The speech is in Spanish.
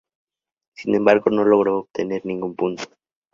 Sin embargo, no logró obtener ningún punto.